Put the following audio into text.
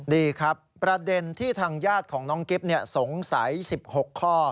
ดีครับประเด็นที่ทางญาติของน้องกิ๊บสงสัย๑๖ข้อ